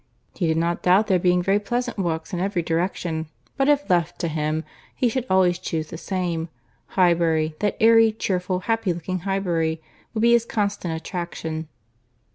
—"He did not doubt there being very pleasant walks in every direction, but if left to him, he should always chuse the same. Highbury, that airy, cheerful, happy looking Highbury, would be his constant attraction."